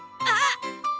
あっ！